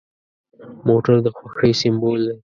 موټر د خوښۍ سمبول دی.